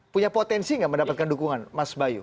punya potensi nggak mendapatkan dukungan mas bayu